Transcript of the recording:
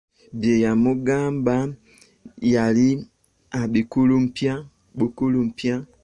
Bye yamugamba yali abikuluppya bukuluppya.